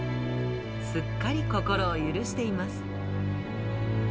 すっかり心を許しています。